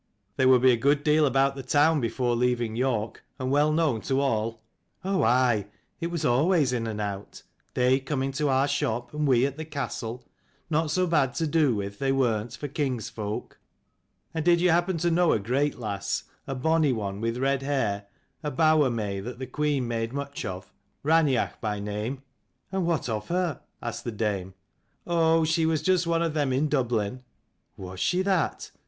"They would be a deal about the town before leaving York, and well known to all?" " Oh aye, it was always in and out ; they coming to our shop and we at the castle. Not so bad to do with, they weren't, for king's folk." " And did you happen to know a great lass, a bonny one with red hair, a bower may that the queen made much of, Raineach by name?" " And what of her ?" asked the dame. " Oh, she was just one of them in Dublin." " Was she that